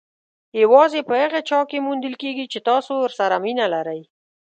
یوازې په هغه چا کې موندل کېږي چې تاسو ورسره مینه لرئ.